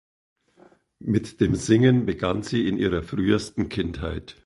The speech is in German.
Mit dem Singen begann sie in ihrer frühesten Kindheit.